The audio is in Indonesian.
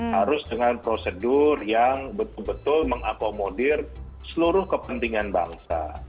harus dengan prosedur yang betul betul mengakomodir seluruh kepentingan bangsa